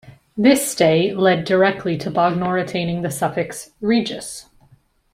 This stay led directly to Bognor attaining the suffix 'Regis'.